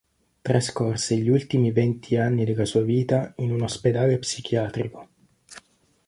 Trascorse gli ultimi venti anni della sua vita in un ospedale psichiatrico.